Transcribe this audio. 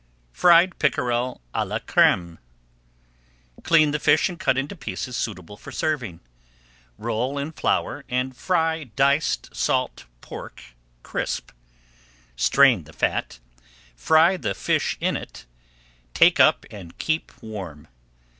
FRIED PICKEREL À LA CRÈME Clean the fish and cut into pieces suitable for serving. Roll in flour, and fry diced salt pork crisp. Strain the fat, fry the fish in it, take up and keep warm.